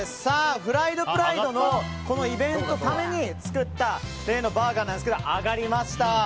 ＦＲＩＥＤｐｒｉｄｅのイベントのために作った例のバーガーなんですが揚がりました。